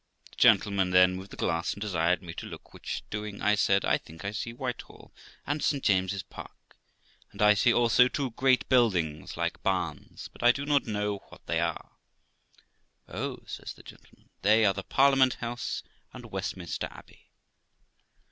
The gentleman then moved the glass and desired me to look, which doing, I said, 'I think I see Whitehall and St. James's Park, and I see also two great buildings like barns, but I do not know what they are.' ' Oh ', says the gentleman, ' they are the Parliament House and Westminster Abbey.'